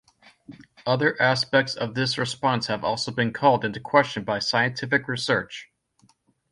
Other aspects of this response have also been called into question by scientific research.